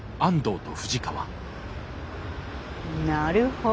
なるほど。